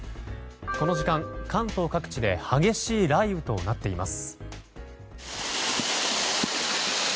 この時間、関東各地で激しい雷雨となっています。